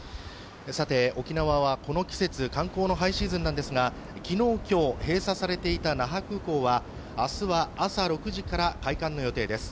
沖縄はこの季節、観光のハイシーズンなんですが昨日今日、閉鎖されていた那覇空港は明日は朝６時から開館の予定です。